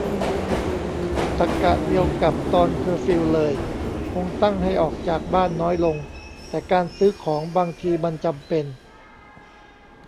ตรรกะเดียวกับตอนเคอร์ฟิวเลย คงตั้งให้ออกจากบ้านน้อยลง แต่การซื้อของบางทีมันจำเป็น